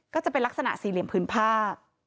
ก็จะเป็นลักษณะสี่เหลี่ยมพื้นผ้า